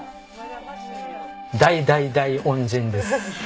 大大大恩人です。